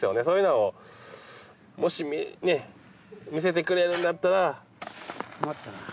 そういうのをもし見せてくれるんだったら。